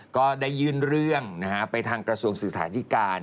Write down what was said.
ก็ได้ยื่นเรื่องไปทางกระทรวงสื่อสถานการณ์